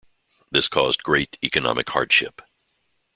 This caused great economic hardship.